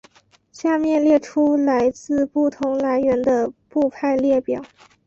下面列出来自不同来源的部派列表。